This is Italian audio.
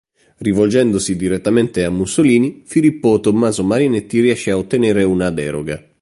Rivolgendosi direttamente a Mussolini, Filippo Tommaso Marinetti riesce a ottenere una deroga.